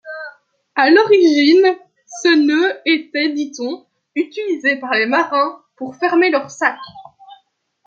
À l'origine, ce nœud était, dit-on, utilisé par les marins pour fermer leur sac.